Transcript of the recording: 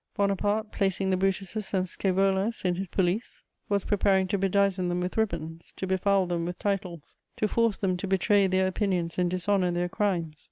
Bonaparte, placing the Brutuses and Scævolas in his police, was preparing to bedizen them with ribands, to befoul them with titles, to force them to betray their opinions and dishonour their crimes.